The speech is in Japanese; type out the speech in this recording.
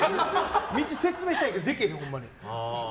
道説明したいけどできへんねん。